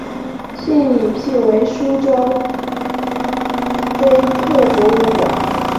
现已辟为苏州碑刻博物馆。